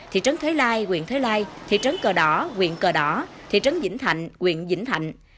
thị trấn thuế lai thị trấn thuế lai thị trấn cờ đỏ thị trấn vĩnh thạnh thị trấn vĩnh thạnh